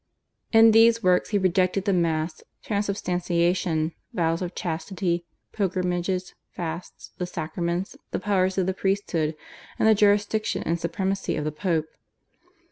In these works he rejected the Mass, Transubstantiation, vows of chastity, pilgrimages, fasts, the Sacraments, the powers of the priesthood, and the jurisdiction and supremacy of the Pope.